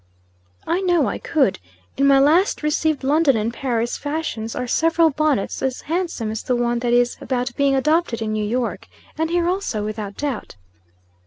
"I know I could. In my last received London and Paris fashions are several bonnets a handsome as the one that is about being adopted in New York, and here also without doubt."